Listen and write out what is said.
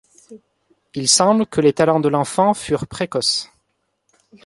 Il semble que les talents de l'enfant furent précoce.